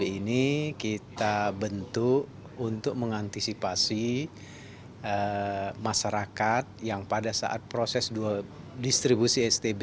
ini kita bentuk untuk mengantisipasi masyarakat yang pada saat proses distribusi stb